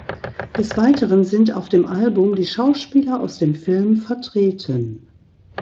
Des Weiteren sind auf dem Album die Schauspieler aus dem Film vertreten.